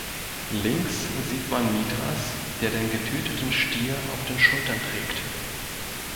Links sieht man Mithras, der den getöteten Stier auf den Schultern trägt.